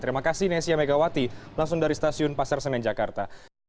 terima kasih nesya megawati langsung dari stasiun pasar senen jakarta